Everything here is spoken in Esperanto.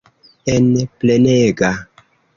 En plenega.